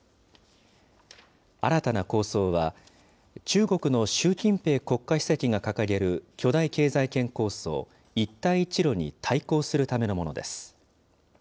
新たな構想は、中国の習近平国家主席が掲げる巨大経済圏構想、一帯一路に対抗するためのものです。